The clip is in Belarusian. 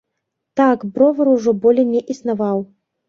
Так бровар ужо болей не існаваў.